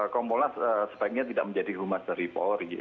kompolnas sebaiknya tidak menjadi humas dari polri